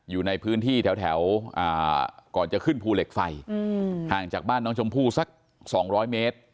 อยู่ในพื้นที่แถวก่อนจะขึ้นภูเหล็กไฟห่างจากบ้านน้องชมพู่สัก๒๐๐เมตร